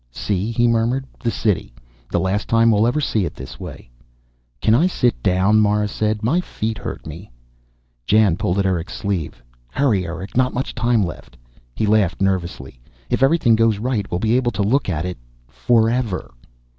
"See," he murmured. "The City. The last time we'll ever see it this way." "Can I sit down?" Mara said. "My feet hurt me." Jan pulled at Erick's sleeve. "Hurry, Erick! Not much time left." He laughed nervously. "If everything goes right we'll be able to look at it forever."